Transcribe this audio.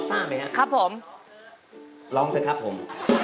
ร้องเถอะครับผม